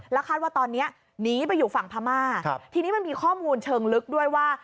คาดว่าตอนนี้หนีไปอยู่ฝั่งพม่าทีนี้มันมีข้อมูลเชิงลึกด้วยว่า